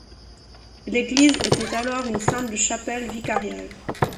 L’église était alors une simple chapelle vicariale.